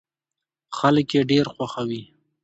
خلک يې ډېر خوښوي.